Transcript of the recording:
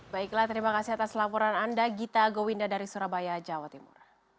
baiklah terima kasih atas laporan anda gita gowinda dari surabaya jawa timur